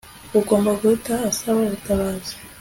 agomba guhita asaba ubutabazi